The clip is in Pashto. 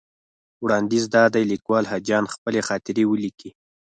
وړاندیز دا دی لیکوال حاجیان خپلې خاطرې ولیکي.